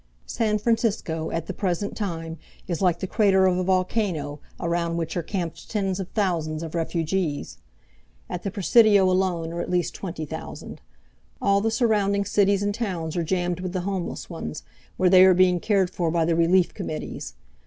San Francisco, at the present time, is like the crater of a volcano, around which are camped tens of thousands of refugees At the Presidio alone are at least twenty thousand. All the surrounding cities and towns are jammed with the homeless ones, where they are being cared for by the relief committees.